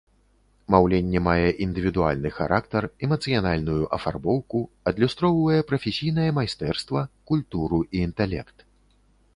Маўленне мае індывідуальны характар, эмацыянальную афарбоўку, адлюстроўвае прафесійнае майстэрства, культуру і інтэлект.